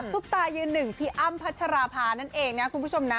ตายืนหนึ่งพี่อ้ำพัชราภานั่นเองนะคุณผู้ชมนะ